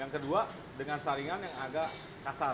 yang kedua dengan saringan yang agak kasar